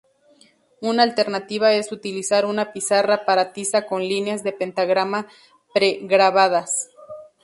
Una alternativa es utilizar una pizarra para tiza con líneas de pentagrama pre-grabadas.